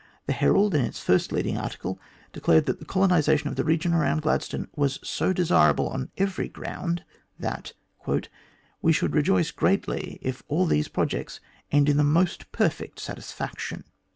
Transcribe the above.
The Herald, in its first leading article, declared that the colonisa tion of the region around Gladstone was so desirable on every ground that "we should rejoice greatly if all these projects end in the most perfect satisfaction."